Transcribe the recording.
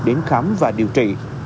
đến khám và điều trị